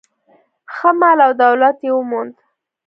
ښه مال او دولت یې وموند.